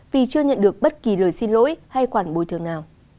vì chưa nhận được bất kỳ lời xin lỗi hay khoản bồi thường nào